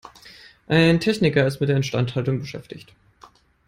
Ein Techniker ist mit der Instandhaltung beschäftigt.